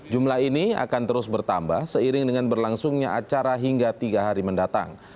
jumlah ini akan terus bertambah seiring dengan berlangsungnya acara hingga tiga hari mendatang